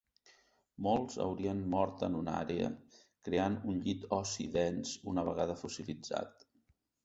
Molts haurien mort en una àrea, creant un llit ossi dens una vegada fossilitzat.